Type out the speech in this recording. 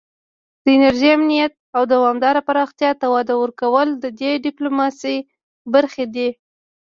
د انرژۍ امنیت او دوامداره پراختیا ته وده ورکول د دې ډیپلوماسي برخې دي